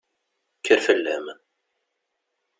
Kker fell-am!